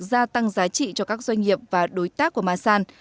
gia tăng giá trị cho các doanh nghiệp và đối tác của masan